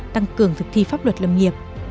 tăng cường thực thi pháp luật lâm nghiệp